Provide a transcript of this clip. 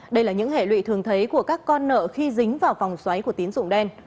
đây là những hệ lụy thường thấy của các con nợ khi dính vào vòng xoáy của tín dụng đen